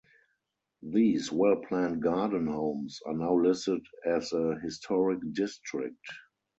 These well-planned garden homes are now listed as a historic district.